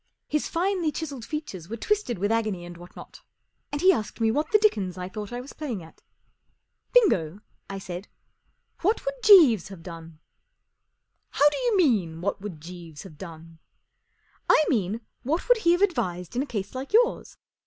His finely chiselled features were twisted with agony and what not, and he asked me what the dickens I thought I was playing at. 44 Bingo," I said, 44 what would Jeeves have done ?" 44 How do you mean, what would Jeeves have done ?" 44 I mean what wxmld he have advised in a case like yours